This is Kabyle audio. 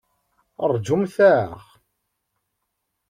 Rjumt-aɣ!